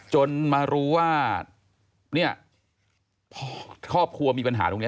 จนมารู้ว่าเนี่ยพอครอบครัวมีปัญหาตรงนี้